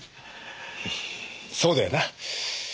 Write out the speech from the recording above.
そうだよな。